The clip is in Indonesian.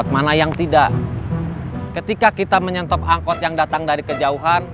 saya fokus sama emaknya